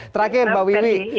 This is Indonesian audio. terakhir mbak wibi